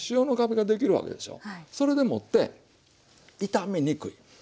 それでもって傷みにくい。